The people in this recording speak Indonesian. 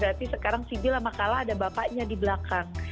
jadi sekarang sibyl sama kala ada bapaknya di belakang